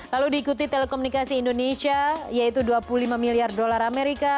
lalu diikuti telekomunikasi indonesia yaitu dua puluh lima miliar dolar amerika